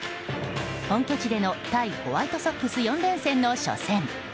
本拠地での対ホワイトソックス４連戦の初戦。